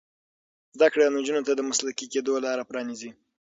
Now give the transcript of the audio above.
زده کړه نجونو ته د مسلکي کیدو لار پرانیزي.